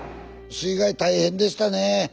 水害大変でしたね。